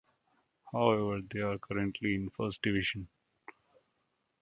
However, they are currently in First Division.